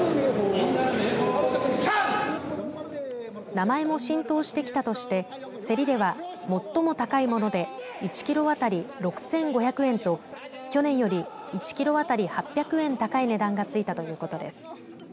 名前も浸透してきたとして競りでは最も高いもので１キロ当たり６５００円と去年より１キロ当たり８００円高い値段がついたということです。